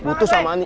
butuh sama ani